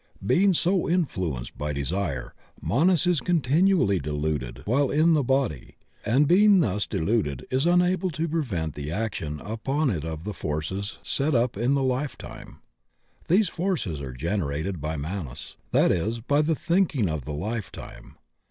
Be ing so influenced by Deske, Manas is continually deluded while in the body, and being thus deluded is unable to prevent the action upon it of the forces set up in the life time. These forces are generated by Manas; that is, by the thinking of the life time.